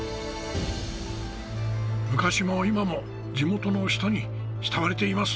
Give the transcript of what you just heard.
昔も今も地元の人に慕われています。